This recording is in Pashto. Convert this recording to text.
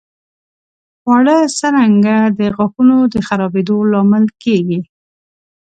خواړه څرنګه د غاښونو د خرابېدو لامل کېږي؟